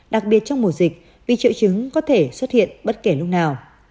đặc biệt trong mùa dịch vì triệu chứng có thể xuất hiện bất kể lúc nào